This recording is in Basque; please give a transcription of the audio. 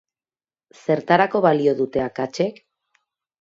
Zertarako balio dute akatsek?